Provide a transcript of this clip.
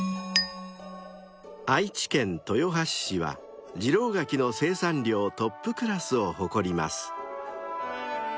［愛知県豊橋市は次郎柿の生産量トップクラスを誇ります］